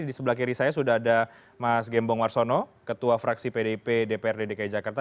di sebelah kiri saya sudah ada mas gembong warsono ketua fraksi pdp dprd dki jakarta